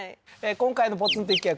今回のポツンと一軒家